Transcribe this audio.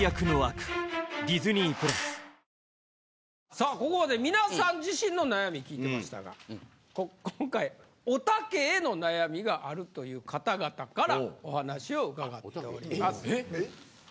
さあここまで皆さん自身の悩み聞いてましたが今回おたけへの悩みがあるという方々からお話を伺っております。